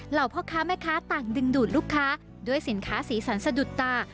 พ่อค้าแม่ค้าต่างดึงดูดลูกค้าด้วยสินค้าสีสันสะดุดตา